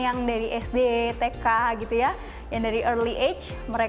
yang dari sma dan sma juga bisa membuat kelas di sekolah dan juga kelas di sekolah dan juga